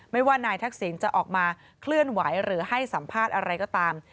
ไม่ว่านายทักษิณจะออกมาเคลื่อนไหวหรือให้สัมภาษณ์อะไรก็ตาม